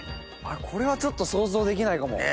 これはちょっと想像できないかも。